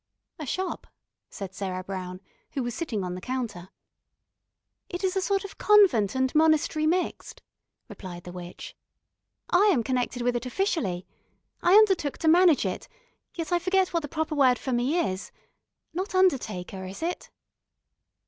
"A shop," said Sarah Brown, who was sitting on the counter. "It is a sort of convent and monastery mixed," replied the witch. "I am connected with it officially. I undertook to manage it, yet I forget what the proper word for me is. Not undertaker, is it?"